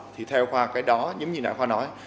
thì theo khoa cái đó giống như nãy khoa nói